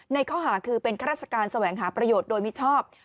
ในข้อหาคือเป็นข้าราชการแสวงหาประโยชน์โดยมิชอบ